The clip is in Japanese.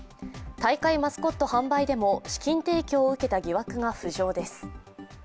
大会マスコット販売でも資金提供を受けた疑惑が浮上です。